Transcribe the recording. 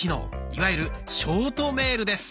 いわゆるショートメールです。